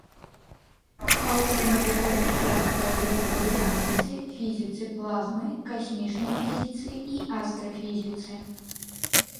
Аўтар навуковых прац па электрадынаміцы, фізіцы плазмы, касмічнай фізіцы і астрафізіцы.